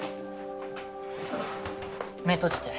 目閉じて。